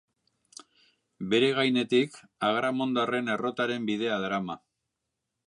Bere gainetik Agramondarren errotaren bidea darama.